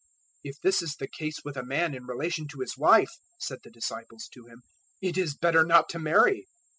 019:010 "If this is the case with a man in relation to his wife," said the disciples to Him, "it is better not to marry."